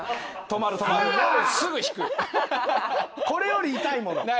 これより痛いもの。